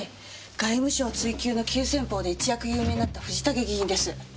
外務省追及の急先鋒で一躍有名になった藤竹議員です。